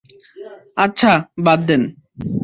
আচ্ছা, বাদ দেন।